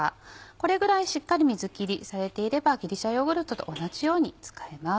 これぐらいしっかり水きりされていればギリシャヨーグルトと同じように使えます。